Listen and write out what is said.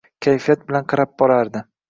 Kayfiyat bilan qarab borardi.